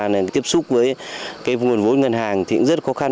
nên tiếp xúc với cái nguồn vốn ngân hàng thì cũng rất khó khăn